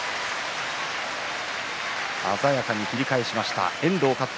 鮮やかに切り返しました。